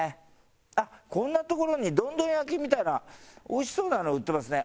あっこんな所にどんどん焼きみたいなおいしそうなの売ってますね。